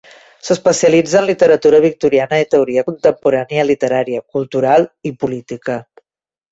S'especialitza en literatura victoriana i teoria contemporània literària, cultural i política.